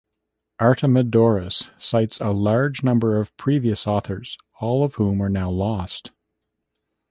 Artemidorus cites a large number of previous authors, all of whom are now lost.